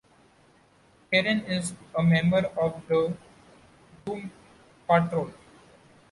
Karen is a member of the Doom Patrol.